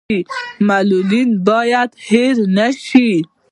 معلولین باید هیر نشي